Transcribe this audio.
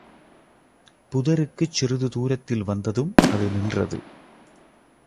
புதருக்குச் சிறிது தூரத்தில் வந்ததும், அது நின்றது.